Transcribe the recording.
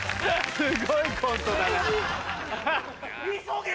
すごいコントだな。